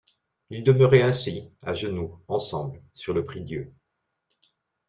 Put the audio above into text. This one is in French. Ils demeuraient ainsi, à genoux, ensemble, sur le prie-dieu.